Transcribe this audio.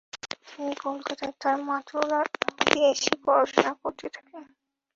তিনি কলকাতায় তাঁর মাতুলালয়ে এসে পড়াশোনা করতে থাকেন।